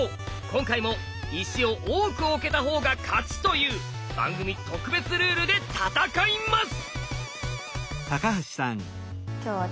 今回も「石を多く置けた方が勝ち」という番組特別ルールで戦います！